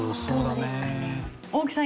大木さん